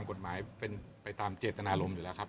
จริงแล้วเป็นยังไงบ้างนะครับ